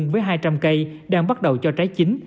với hai trăm linh cây đang bắt đầu cho trái chính